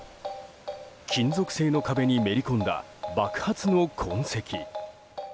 金属製の壁にめり込んだ爆発の痕跡。